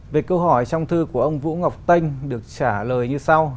về câu hỏi trong thư của ông vũ ngọc tinh được trả lời như sau